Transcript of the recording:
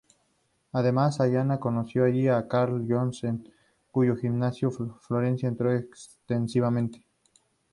Además, Sayama conoció allí a Karl Gotch, en cuyo gimnasio de Florida entrenó extensivamente.